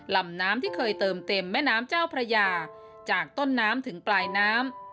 ลำน้ำที่เคยเติมเต็มแม่น้ำเจ้าพระยาจากต้นน้ำถึงปลายน้ำ